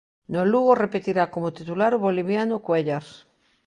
No Lugo repetirá como titular o boliviano Cuéllar.